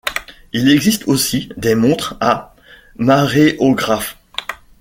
Il existe aussi des montres à maréographe.